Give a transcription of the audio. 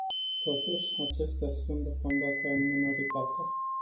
Totuși, acestea sunt deocamdată în minoritate.